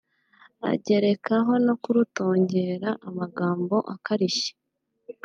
agerekaho no kurutongera amagambo akarishye